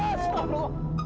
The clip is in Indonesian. oh supah lu